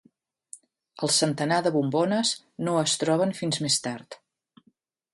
El centenar de bombones no es troben fins més tard.